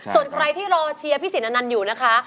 ส่วนใครที่รอเชียร์พี่สินอนันต์อยู่นะคะ